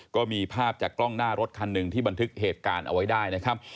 ก็มีภาพจากกล้องหน้ารถคันหนึ่งที่บันทึกเหตุการณ์เอาไว้ได้นะครับ